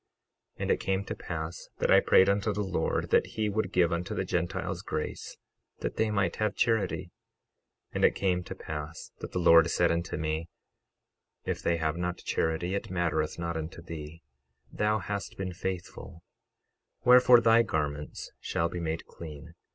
12:36 And it came to pass that I prayed unto the Lord that he would give unto the Gentiles grace, that they might have charity. 12:37 And it came to pass that the Lord said unto me: If they have not charity it mattereth not unto thee, thou hast been faithful; wherefore, thy garments shall be made clean.